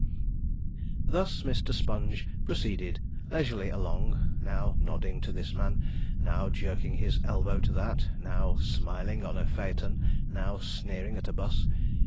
Thus Mr. Sponge proceeded leisurely along, now nodding to this man, now jerking his elbow to that, now smiling on a phaeton, now sneering at a 'bus.